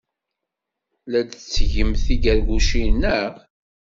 La d-tettgemt tigargucin, naɣ?